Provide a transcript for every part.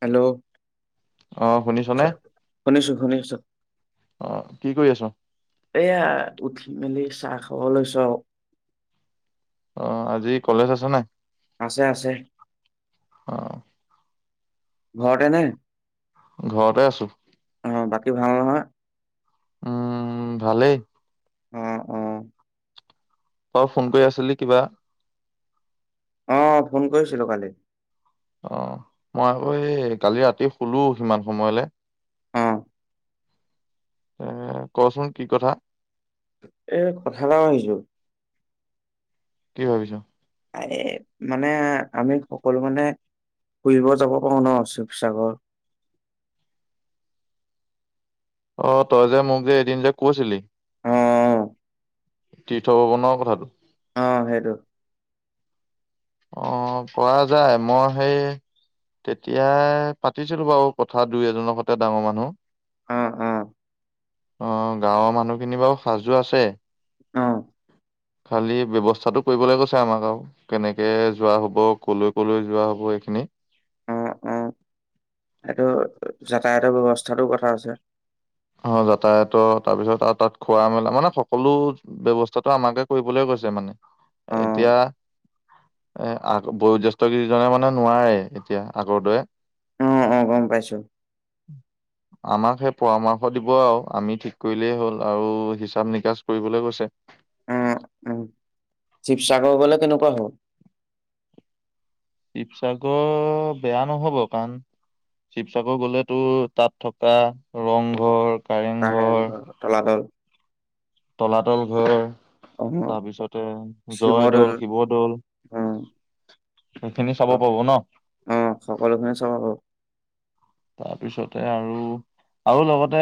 Hello, অ শুনিছনে শুনিছো, শুনিছো। অ কি কৰি আছ এয়া উঠি মেলি চ চাহ খাব লৈছোঁ আও। অ', আজি কলেজ আছে নে? আছে, আছে। অ ঘৰতে নে? ঘৰতে আছো। অ', বাকী ভাল নহয়। উম, ভালেই। উম, উম। তই ফোন কৰি আছিলি কিবা। অ', ফোন কৰিছিলোঁ কালি। অ', মই আকৌ এই কালি ৰাতি শুলো সিমান সময়লৈ অ উম, কচোন কি কথা? এ, কথা এটা শুনিছোঁ। কি ভাবিছ? এই, মানে আমি সকলো মানে ফুৰিব যাব পাৰো ন শিৱসাগৰ? অ', তই যে, মোক যে, এদিন যে, কৈছিলি? অ তীৰ্থ ভ্ৰমণৰ কথাটো অ', সেইটো। অ', পৰা যায় মই সেই তেতিয়া পাতিছিলোঁ বাৰু কথা দুই এজনৰ সৈতে ডাঙৰ মানুহ। অ অ গাঁৱৰ মানুহখিনি বাৰু সাজু আছে। অ খালী ব্যৱস্থাটো কৰিবলৈ কৈছে আমাক আৰু কেনেক কে যোৱা হ'ব, কলৈ, কলৈ যোৱা হ'ব এইখিনি অ', অ', এইটো যাতায়তৰ ব্যৱস্থাতো কথা আছে। অ', যাতায়তৰ তাৰপিছত আৰু তাত খোৱা মেলা মানে সকলো ব্যৱস্থাটো আমাকে কৰিবলৈ কৈছে মানে অ এতিয়া এ, বয়োজেষ্ঠ কেইজনে মানে নোৱাৰে এতিয়া আগৰ দৰে অ অ গম পাইছো আমাক সেই পৰাম দিব আৰু আমি ঠিক কৰিলেই হ'ল, আৰু হিচাপ নিকাচ কৰিবলৈ কৈছে। অ উ শিৱসাগৰ গ'লে কেনেকুৱা হ'ব? শিৱসাগৰ বেয়া নহ'ব, কাৰণ শিৱসাগৰ গ'লেতো তাত থকা ৰংঘৰ কাৰেংঘৰ [unintelligible] তলাতল। তলাতল ঘৰ, অ তাৰপিছতে শিৱদৌল জয়দৌল, শিৱদৌল উম সেইখিনি চাব পাব ন'। অ সকলোখিনি চাব তাৰপিছতে আৰু, আৰু লগতে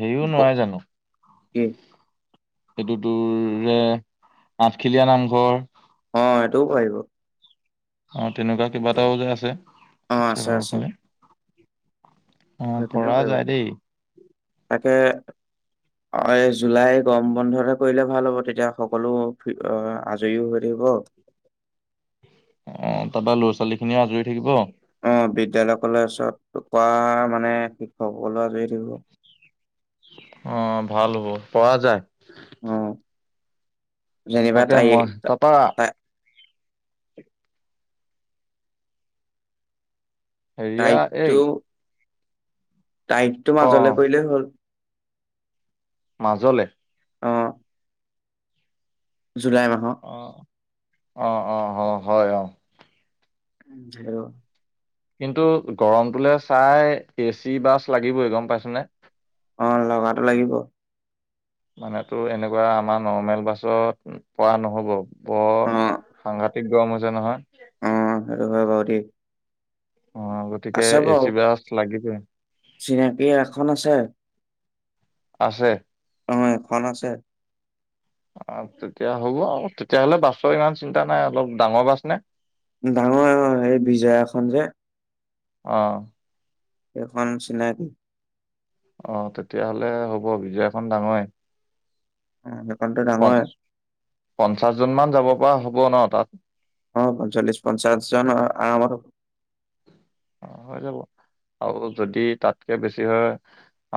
হেৰিও পাব নোৱাৰে জানো কি সেইটো তোৰ, আঠখিলীয়া নামঘৰ। অ', এইটোও পাৰিব। অ'। তেনেকুৱা কিবাটাও যে আছে অ আছে শিৱসাগৰৰ আছে ফালে অ পৰা যায় দেই। এ এই জুলাই গৰম বন্ধতে কৰিলে ভাল হ'ব তেতিয়া সকলো আজৰিও হৈ থাকিব। অ' তাৰপা লৰা ছোৱালী খিনিও আজৰি হৈ থাকিব অ' বিদ্যালয় কলেজত কৰা মানে শিক্ষকসকলো আজৰি হৈ থাকিব। অ 'ভাল হ'ব পৰা যায়। উম। তাকে মই [unintelligible] পৰা। হেৰিয়া এই তাৰিখতো অ মাজলৈ কৰিলেই হ'ল। মাজলে। অ' জুলাই মাহৰ অ - অ - অ - অ হয় অ' [unintelligible] কিন্তু গৰমটোলে চাই এ চি বাছ লাগিবই গম পাইছনে। অ' লগাটো লাগিব। মানে তোৰ এনেকুৱা আমাৰ নৰ্মেল বাছত পৰা নহ'ব। [unintelligible] ঠিক গৰম হৈছে নহয়। অ' সেইটো হয় বাৰু [unintelligible] অ' গতিকে আছে এ বাৰু চি বাছ লাগিবই চিনাকি এখন আছে। আছে। অ' এখন আছে অ' তেতিয়া হ'ব আৰু তেতিয়াহলে বাছৰ ইমান চিন্তা নাই অলপ ডাঙৰ বাছ নে ডাঙৰে হয় এই বিজয়াখন যে অ [unintelligible] এখন চিনাকি। অ তেতিয়াহ'লে হ'ব বিজয়াখন ডাঙৰে। [unintelligible] পঞ্চাশ জন মান যাব। পৰা হ'ব ন তাত। অ ' পঞ্চল্লিশ পঞ্চাশ জন আৰামত হব অ' হৈ যাব আৰু যদি তাতকে বেছি হয়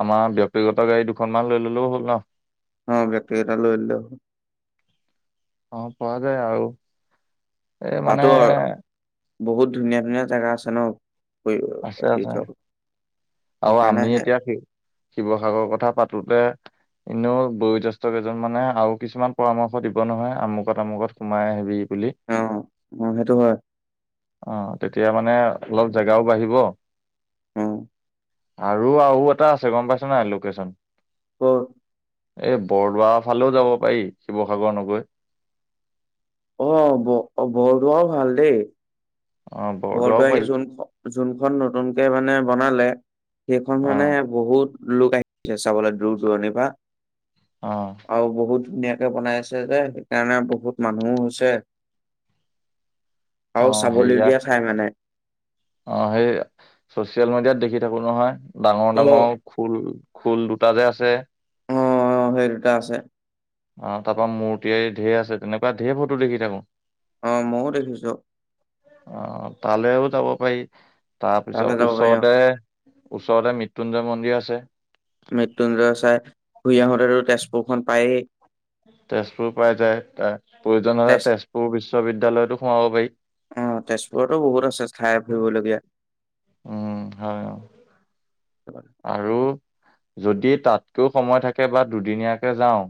আমাৰ ব্যক্তিগত গাড়ী দুখনমানান লৈ ললেও হ'ল ন। অ' ব্যক্তিগত লৈ ললে [unintelligible] অ' পৰা যায় আৰু এ তাতো মানে বহুত ধুনীয়া ধুনীয়া জেগা আছে আছে আছে ন'। [unintelligible] আৰু আমি হে এতিয়া, শিৱসাগৰৰ কথা পাতোতে এনেও বয়োজেষ্ঠ কেইজন মানে আৰু কিছুমান পৰামৰ্শ দিব নহয়, আমুকত আমুকত সোমাই আহিবি। বুলি, অ অ সেইটো হয় অ', তেতিয়া মানে অলপ জেগাও বাঢ়িব উম। আৰু আৰু এটা আছে গম পাইছ নাই লকেচন। ব এই বৰদোৱা তালেও যাব পাৰি, শিৱসাগৰ নগৈ। অ', ব-বৰদোৱাও ভাল দেই। অ বৰদোৱাও বৰদোৱা পাৰি [unintelligible] যোনখন নতুনকে মানে বনালে সেইখন অ মানে বহুত লোক [unintelligible] চাবলৈ দূৰ দূৰণিৰ পা। অ আৰু বহুত ধুনিয়াকে বনাই আছে যে, সেইকাৰণে বহুত মানুহো হৈছে। আৰু অ', হেইয়া চাবলগীয়া ঠাই মানে হেই চচিয়েল মিডিয়াত দেখি থাকো নহয়। ডাঙৰ অ', ডাঙৰ খুল ফুল দুটা যে আছে অ', অ', সেই দুটা আছে। আহ, তাৰ পৰা মূৰ্তি ঢেৰ আছে, তেনেকুৱা ধেৰ ফটো দেখি থাকো। অ' মইয়ো দেখিছো। অ', তালেও যাব পাৰি। তালৈ তাৰপিছত যাব পাৰি অ', ওচৰতে ওচৰতে মৃত্যুঞ্জয় মন্দিৰ আছে। মৃত্যুঞ্জয় চাই, ঘূৰি আহোঁতেটো তেজপুৰখন পায়েই। তেজপুৰ পাই যায় ত' প্ৰয়োজন হ'লে তেজ তেজপুৰ বিশ্ববিদ্যায়লয়তো সোমাব পাৰি। অ', তেজপুৰতো বহুত আছে ঠাই ফুৰিবলগীয়া। উম, হয় আৰু যদি তাতকৈও সময় থাকে বা দুদিনীয়াকে যাওঁ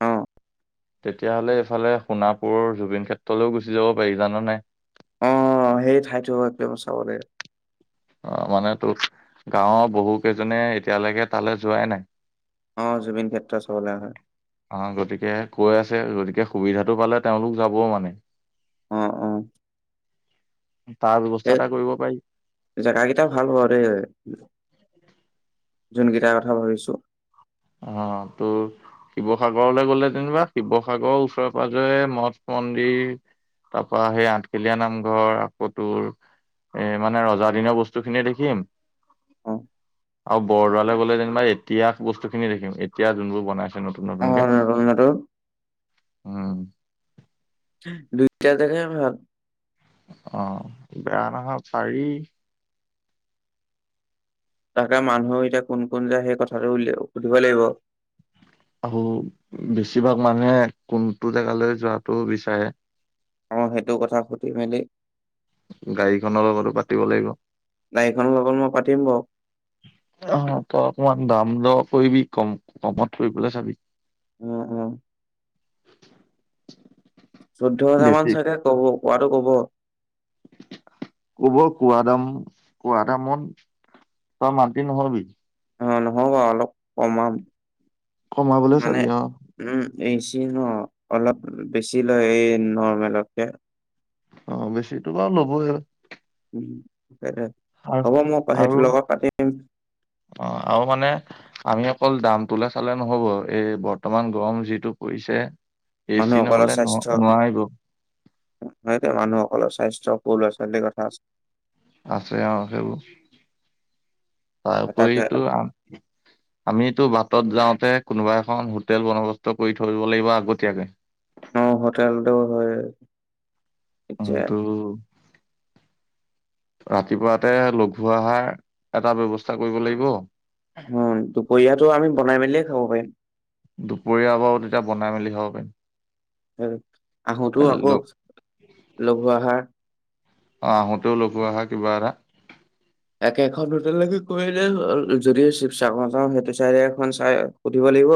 অ' তেতিয়াহ'লে এইফালে সোণাপুৰৰ জুবিন ক্ষেত্ৰলৈও গুচি যাব পাৰি জাননে? অ', সেই ঠাইতো এক চাব লাগে। অ', মানে তোক গাঁৱৰ বহু কেইজনে এতিয়ালৈকে তালৈ যোৱাই নাই। অ', জুবিন ক্ষেত্ৰ চাবলৈ [unintelligible] অ', গতিকে কৈ আছে গতিকে সুবিধাটো পালে তেওঁলোক যাব মানে। অ', অ'। তাৰ ব্যৱস্থা এ, এটা কৰিব পাৰি। জেগাকেইটা ভাল পাব দেই। যোনকেইটাৰ কথা ভাবিছোঁ। অ', তোৰ শিৱসাগৰলৈ গ'লে যেনিবা শিৱসাগৰৰ ওচৰে পাজৰে মঠ, মন্দিৰ তাপা সেই আঠখেলীয়া নামঘৰ আকৌ তোৰ এ, মানে ৰজা দিনৰ বস্তু খিনিয়ে দেখিম। অ', আৰু বৰদোৱালে গ'লে যেনিবা এতিয়া বস্তু খিনি দেখিম এতিয়া যোনবোৰ বনাইছে নতুন, নতুনকে অ', নতুন নতুন উম। দুইটা জেগাই ভাল। অ', বেয়া নহয় পাৰি। তাকে মানুহে এতিয়া কোন, কোন যায় সেই কথাটো উলি-সুধিব লাগিব। আৰু বেছিভাগ মানুহে কোনটো জেগালৈ যোৱাটো বিচাৰে অ', সেইটো কথা সুধি মেলি গাড়ীখনৰ লগতো পাতিব লাগিব, গাড়ীখনৰ লগত মই পাতিম বাৰু। অহ, তই অকমান দাম দ কৰিবি কম-কমত কৰিবলৈ চাবি। উম, উম। চৈধ্য হাজাৰ বেছি মান চাগে ক'ব। কোৱাটো ক'ব ক'ব, কোৱা দাম, কোৱা দামত তই মান্তি ন'হবি। অ', নহওঁ বাৰু অলপ কমাম। কমাবলৈ মানে চাবি অ' উম, এচি ন, অলপ বেছি লয়ে এই নৰ্মেলতকে। অ', বেছিতো বাৰু ল'বই। উম। আৰু হ'ব মই আৰু সেইটোৰ লগত পাতিম অ আৰু মানে আমি অকল দামটোলে চালে নহ'ব, এই বৰ্তমান গৰম যিটো পৰিছে এ চি মানুহসকলৰ নহলে ন স্বাস্থ্য, নোৱাৰিব স-মানুহসকলৰ স্বাচ চব ল'ৰা ছোৱালীৰ কথা আছে। আছে অ', সেইবোৰ তাৰ তাকে উপৰিতো আ, আমিতো বাটত যাওঁ কোনোবা এখন হোটেল বন্দবস্ত কৰি থ'ব লাগিব আগতীয়াকে। অ', হোটেলটো হয় এতিয়া অ', তো ৰাতিপুৱাতে লঘু আহাৰ এটা ব্যৱস্থা কৰিব লাগিব। উম, দুপৰীয়াটো আমি বনাই মেলিয়ে খাব পাৰিম। দুপৰীয়া বাৰু তেতিয়া বনাই মেলি খাব পাৰিম। [unintelligible] এ আহোতো, ল আকৌ লঘু আহাৰ অ', আহোঁতেও লঘু আহাৰ কিবা এটা। একেখন হোটেললকে কৰিলে হ'ল যদি শিৱসাগৰ যাওঁ সেইটো চাই এখন চাই সুধিব লাগিব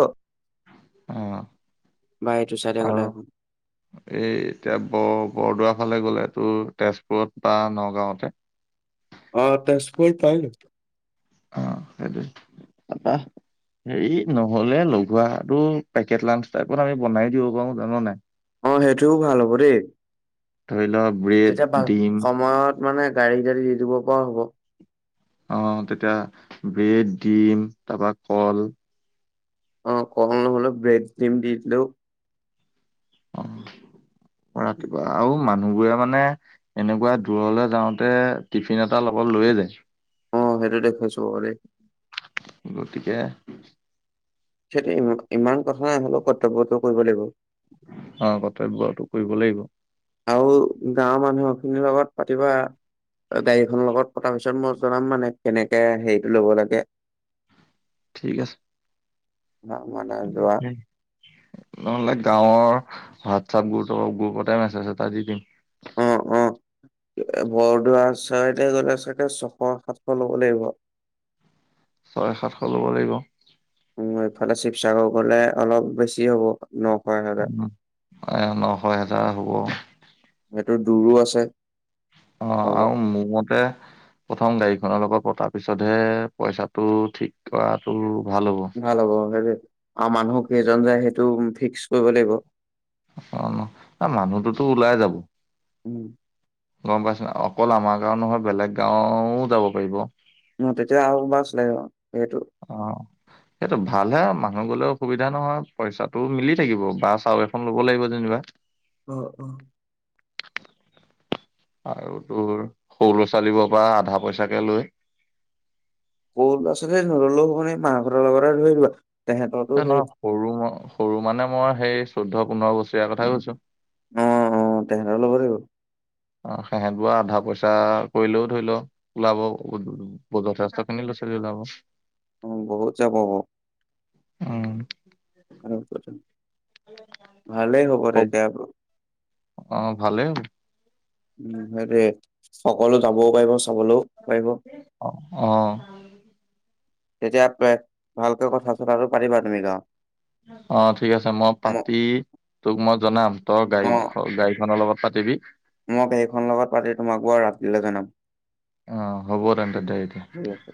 অ', বা এইটো চাইডে গ'লে আৰু এখন এই, এতিয়া ব-বৰদোৱা ফালে গ'লে, তোৰ তেজপুৰত বা নগাঁওতে। অঁ, তেযপোৰ পাই অ' সেইটো, তাপা, হেৰি নহলে লগোৱাটো পেকট লাঞ্চ টাইপত আমি বনাই দিব পাৰো, জানা নাই? অঁ সেইটোও ভাল হব দেই, ধৰি ল ব্ৰেড তেতিয়া ভাল, ডিম সময়ত মানে গাড়ী দাড়ী দি দিব পৰা হ'ব। অ' তেতিয়া ব্ৰেড দিম তাৰপা কল অ' ক হ'ল ব্ৰেড ক্ৰ্ৰীম দি দিলেও অ' ৰাতিবা আৰু মানুহবোৰে মানে, এনেকুৱা দূৰলে যাওঁতে টিফিন এটা লগত লৈয়ে যায় অ' সেইটো দেখুৱাইছো বাৰু দে গতিকে সেইটো ই ইমান কথা নাই হলেও কৰ্তব্যটো কৰিব লাগিব। অ' কৰ্তব্যটো কৰিব লাগিব। আৰু গাঁওৰ মানুহ খিনিৰ লগত পাতিবা, গাড়ীখনৰ লগত পতাৰ পিছত মই জনাম মানে, কেনেকে হেৰিতটো ল'ব লাগে ঠিক আছে। মানে যোৱা [inaudible] নহলে গাঁৱৰ হোৱাটছআপ গ্ৰ গ্ৰুপতে মেছেজ এটা দি দিম। অঁ-অঁ বৰদোৱা চাইদ গ'লে চাগে ছশ সাতশ ল'ব লাগিব। ছয় সাতশ ল'ব লাগিব। উ' এইফালে শিৱসাগৰ গলে অলপ বেছি হ'ব নশ এহেজাৰ। উ' এ নশ হেজাৰ হ'ব। সহটো দূৰো আছে অ' অলপ আৰু মোৰ মতে প্ৰথম গাড়ীখনৰ লগত পতাৰ পিছতহে, পইচাটো ঠিক কৰাতটো ভাল ব [unintelligible] অঁ মানুহক কেইজন যায় সেইটো ফিক্স কৰিব লাগিব। অঁ ন' মানুহটোোতো ওলাই যাব উম। গম পাইছ, অকল আমাৰ গাঁও নহয় বেলেগ গাঁওও যাব পাৰিব। মই তেতিয়া আহ বাচ লাগি অঁ, সেইটো ভালহে, মানুহ গলে অসুবিধা নহয়, পইচাটো মিলি থাকিব, বাছ আৰু এখন ল'ব লাগিব যেনিবা। অঁহ। আৰু তোৰ সৰু ল'ৰা ছোৱালী পৰা আধা পইচাকে লৈ হৰু লৰাছোৱালি নললোও হব নি, মাক হতৰ লগত ধৰি দিয়া এ নহয়, সৰু ম, সৰু মানে মই সেই চৈধ্ পোধ বছৰীয়া কথাই কৈছো। অঁ-অঁ, তেহেঁতৰ ল'ব লাগিব। অঁ, সিহঁত বোৱা আধা পইচা কৰিলেও ধৰি লও, ওলাব, যথেষ্ট খিনি ল'ৰা ছোৱালী ওলাব। অঁ বহুত চাব। ওম' অ ত [unintelligible] ভালেই হ'ব তেতিয়া বো অ ভালে উম, হেইটোৱে সকলো যাবয়ো পাৰিব চাবলৈয়ো পাৰিব। অ তেতিয়া [unintelligible] ভালকে কথা চথাটো পাতিবা [unintelligible] অ', ঠিক আছে মই ম পাতি তোক মই জনাম। তই গাড়ী, অ গাড়ীখনৰ লগত পাতিবি মই গাড়ীখনৰ পাতি তোমাক বাৰু ৰাতিলৈ জনাম। অ', হ'ব তেন্তে দে এতিয়া। ঠিক আছে।